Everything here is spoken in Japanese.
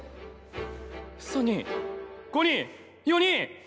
３人５人４人。